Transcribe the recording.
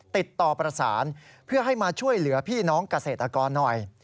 ติดต่อประสานเพื่อให้มาช่วยเหลือพี่น้องเกษตรกรหน่อย